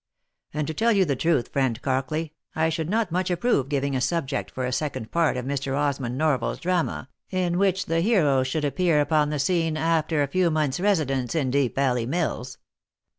And to tell you the truth, friend Crockley, I should not much approve giving a subject for a second part of Mr. Osmond Norval's drama, in which the hero should appear upon the scene after a few months' resi dence in Deep Valley mills."